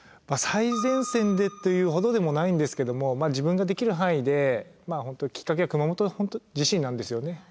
最前線でというほどでもないんですけども自分ができる範囲で本当きっかけは熊本地震なんですよね。